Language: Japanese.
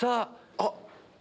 あっ！